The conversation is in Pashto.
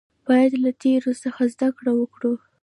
باید له تیرو څخه زده کړه وکړو